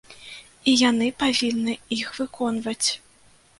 І яны павінны іх выконваць.